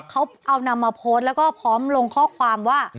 เขาเอานำมาโพสต์แล้วก็พร้อมลงข้อความว่า